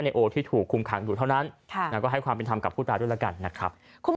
โอที่ถูกคุมขังอยู่เท่านั้นก็ให้ความเป็นธรรมกับผู้ตายด้วยแล้วกันนะครับ